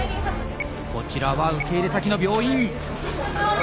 こちらは受け入れ先の病院。